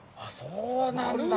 そうなんだ。